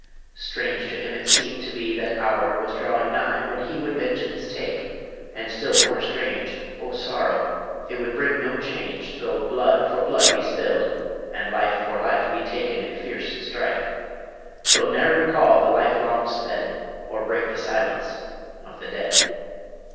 strange to him it seemed to be That hour was drawing nigh when he Would vengeance take ... And still more strange, O sorrow! it would bring no change Though blood for blood be spilled, and life For life be taken in fierce strife; 'Twill ne'er recall the life long sped, Or break the silence of the dead.